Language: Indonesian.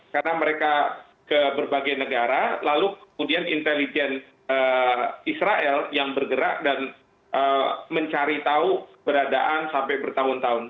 karena mereka ke berbagai negara lalu kemudian intelijen israel yang bergerak dan mencari tahu beradaan sampai bertahun tahun